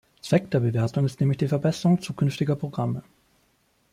Zweck der Bewertung ist nämlich die Verbesserung zukünftiger Programme.